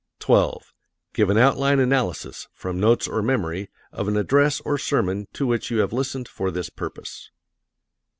12. Give an outline analysis, from notes or memory, of an address or sermon to which you have listened for this purpose.